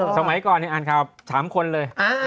สมัยก่อนอ่านข่าว๓คนเลย